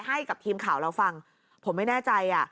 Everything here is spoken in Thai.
ให้กับทีมข่าวเราฟังผมไม่แน่ใจอ่ะ